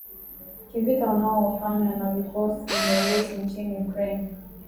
kivita unaofanywa na vikosi vya Urusi nchini Ukraine